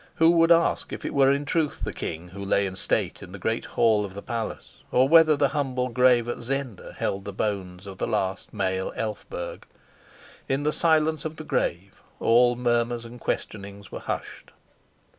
Who would ask if it were in truth the king who lay in state in the great hall of the palace, or whether the humble grave at Zenda held the bones of the last male Elphberg? In the silence of the grave all murmurs and questionings were hushed.